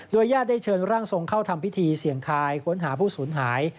ญาติได้เชิญร่างทรงเข้าทำพิธีเสี่ยงทายค้นหาผู้สูญหาย